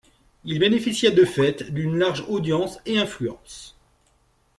Il bénéficiait de fait d’une large audience et influence.